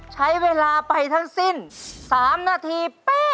ใช้เวลาไปทั้งสิ้น๓นาที